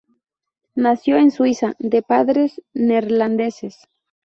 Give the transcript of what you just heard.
Nació en Suiza de padres neerlandeses.